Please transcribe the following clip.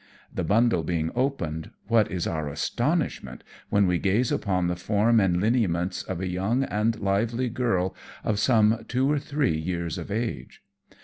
The bundle being opened, what is our astonishment when we gaze upon the form and lineaments of a young and lovely girl of some two or three years of age.